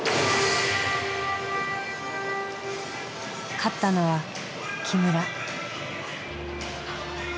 勝ったのは木村。